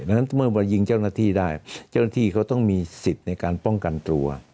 ดังนั้นเมื่อมายิงเจ้าหน้าที่ได้เจ้าหน้าที่เขาต้องมีสิทธิ์ในการป้องกันตัว